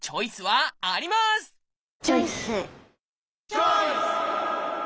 チョイス！